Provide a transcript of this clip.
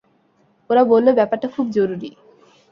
ওরা বললো, ব্যাপারটা খুব জরুরি।